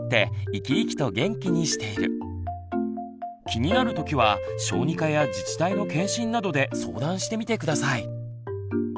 気になるときは小児科や自治体の健診などで相談してみて下さい。